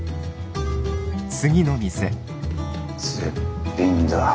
絶品だ。